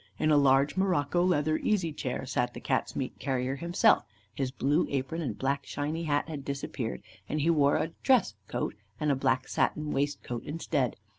In a large morocco leather easy chair sat the Cats' meat carrier himself; his blue apron and black shiny hat had disappeared, and he wore a 'dress' coat and a black satin waistcoat instead.